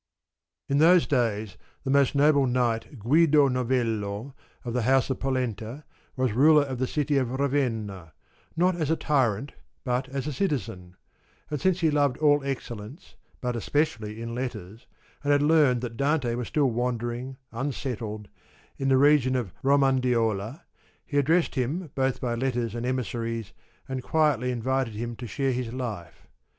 In those days the most noble knight Guido Novello, of the house of Polenta, was ruler of the city of Ravenna, not as a tyrant but as a citizen ; and since he loved all excellence, but especially in letters, and had learned that Dante was still wandering, unsettled, in the region of Romandiola, he addressed him both by letters and emissaries and quietly invited him to share his life.